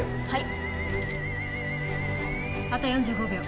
はい。